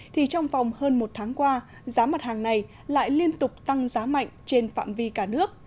thì trong vòng hơn một tháng qua giá mặt hàng này lại liên tục tăng giá mạnh trên phạm vi cả nước